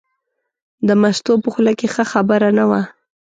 د مستو په خوله کې ښه خبره نه وه.